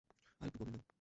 আরেকটু গভীর নাও।